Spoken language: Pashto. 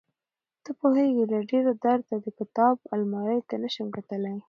ته پوهېږې له ډېره درده د کتابو المارۍ ته نشم کتلى.